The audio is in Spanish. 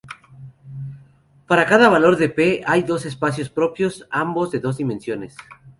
Para cada valor de "p", hay dos espacios propios, ambos de dos dimensiones.